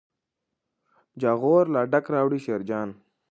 جاغور لا ډک راوړي شیرجان.